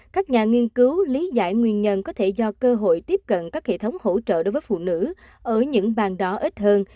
các nhà nghiên cứu lý giải nguyên nhân có thể do cơ hội tiếp cận các hệ thống hỗ trợ đối với phụ nữ ở những bang đó ít hơn